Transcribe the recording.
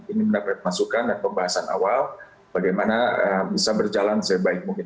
ini mendapat masukan dan pembahasan awal bagaimana bisa berjalan sebaik mungkin